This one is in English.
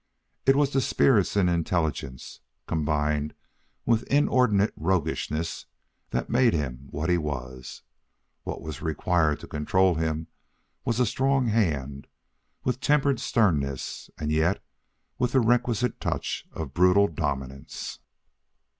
It was the spirits and the intelligence, combined with inordinate roguishness, that made him what he was. What was required to control him was a strong hand, with tempered sternness and yet with the requisite touch of brutal dominance.